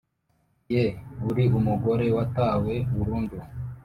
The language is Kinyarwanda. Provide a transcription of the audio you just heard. Ye uri umugore watawe burundu